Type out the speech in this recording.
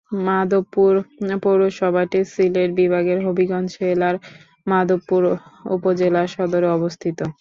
মাধবপুর পৌরসভাটি সিলেট বিভাগের হবিগঞ্জ জেলার মাধবপুর উপজেলা সদরে অবস্থিত।